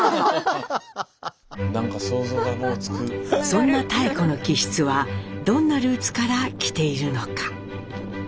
そんな妙子の気質はどんなルーツから来ているのか？